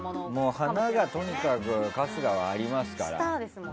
華がとにかく春日はありますから。